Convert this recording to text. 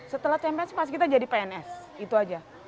setelah cpns pasti kita jadi pns itu aja